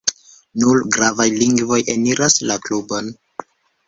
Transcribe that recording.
Nur gravaj lingvoj eniras la klubon.